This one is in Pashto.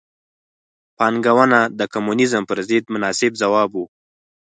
پانګونه د کمونیزم پر ضد مناسب ځواب و.